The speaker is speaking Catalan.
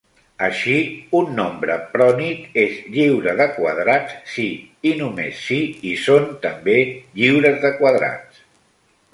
Així, un nombre prònic és lliure de quadrats si i només si i són també lliures de quadrats.